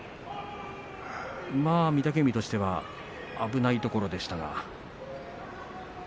御嶽海としては危ないところでしたか。